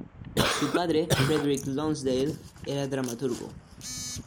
Su padre, Frederick Lonsdale, era dramaturgo.